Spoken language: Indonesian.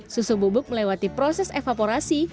susu bubuk melewati proses evaporasi